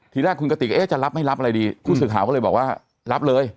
ทีแรกคุณกติกเอ๊ะจะรับไม่รับอะไรดีผู้สื่อข่าวก็เลยบอกว่ารับเลย